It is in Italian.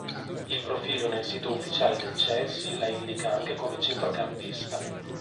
Il profilo nel sito ufficiale del Chelsea la indica anche come centrocampista.